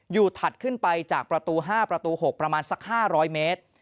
ถัดขึ้นไปจากประตู๕ประตู๖ประมาณสัก๕๐๐เมตร